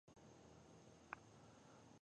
ځوانې او پخې بوډۍ مېرمنې ګودر ته راروانې وې.